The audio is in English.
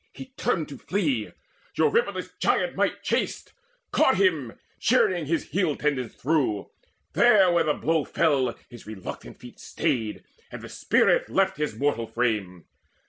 He turned to flee; Eurypylus' giant might Chased, caught him, shearing his heel tendons through: There, where the blow fell, his reluctant feet Stayed, and the spirit left his mortal frame.